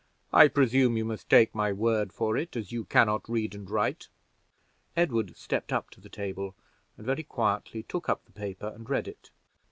I presume you must take my word for it, as you can not read and write." Edward stepped up to the table, and very quietly took up the paper and read it.